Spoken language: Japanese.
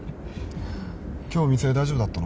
今日店大丈夫だったの？